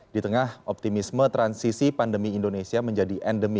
di tengah optimisme transisi pandemi indonesia menjadi endemi